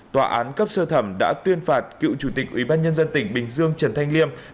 tòa án cấp sơ thẩm đã tuyên phạt cựu chủ tịch ubnd tỉnh bình dương trần thanh liêm